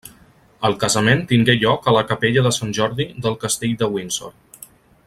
El casament tingué lloc a la Capella de Sant Jordi del castell de Windsor.